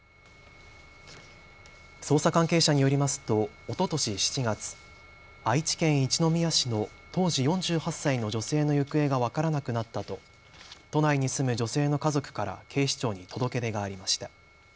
捜査関係者によりますとおととし７月、愛知県一宮市の当時４８歳の女性の行方が分からなくなったと都内に住む女性の家族から警視庁に届け出がありました。